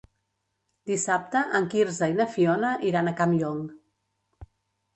Dissabte en Quirze i na Fiona iran a Campllong.